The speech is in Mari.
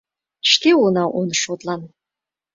Шке улына он шотлан!»